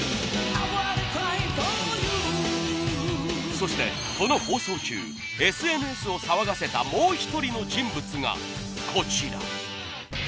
そしてこの放送中ＳＮＳを騒がせたもう１人の人物がこちら。